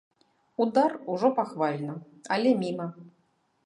Удар ужо пахвальна, але міма.